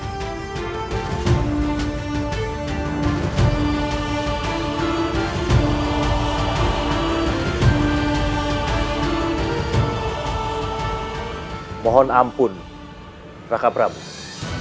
kepala desa itu benar benar berharga